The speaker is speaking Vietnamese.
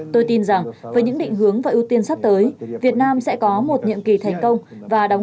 tôi tin rằng với những định hướng và ưu tiên sắp tới việt nam sẽ có một nhiệm kỳ thành công và đóng